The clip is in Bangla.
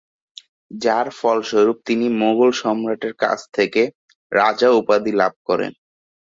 যার ফলস্বরূপ তিনি মোগল সম্রাটের কাছ থেকে "রাজা" উপাধি লাভ করেন।